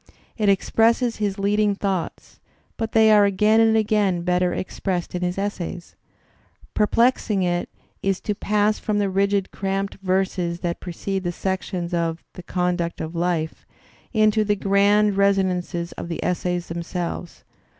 It expresses his leading thoughts, but they are again and again better expressed in his essays. Perplexing it is to pass from the rigid cramped verses that precede the sections of "The Conduct of Life" into the grand resonances of the essays themselves.